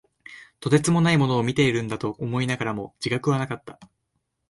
とてつもないものを見ているんだと思いながらも、自覚はなかった。